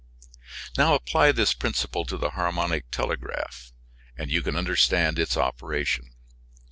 Now apply this principle to the harmonic telegraph and you can understand its operation.